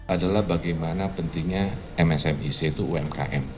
adalah bagaimana pentingnya msmic itu umkm